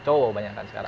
cowok banyak kan sekarang